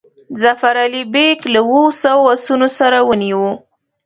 ظفر علي بیګ له اوو سوو آسونو سره ونیوی.